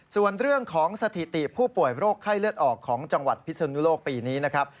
ส่วนเรื่องของสถิติผู้ป่วยโรคไข้เลือดออกของจังหวัดพิศนุโลกปีนี้นะครับ